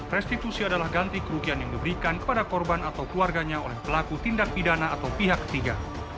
restitusi adalah ganti kerugian yang diberikan kepada korban atau keluarganya oleh pelaku tindak pidana atau pihak ketiga